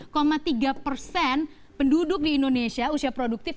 tiga persen penduduk di indonesia usia produktif